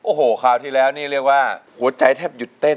โอ้โหคราวที่แล้วนี่เรียกว่าหัวใจแทบหยุดเต้น